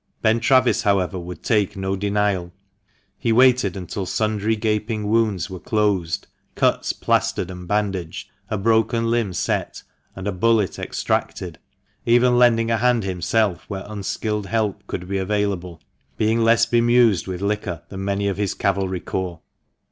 Ben Travis, however, would take no denial. He waited until sundry gaping wounds were closed, cuts plaistered and bandaged, a broken limb set, and a bullet extracted, even lending a hand himself where unskilled help could be available, being less bemused with liquor than many of his cavalry corps.